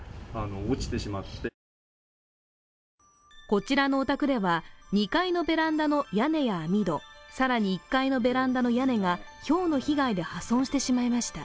こちらのお宅では、２階のベランダの屋根や網戸、更に１階のベランダの屋根がひょうの被害で破損してしまいました。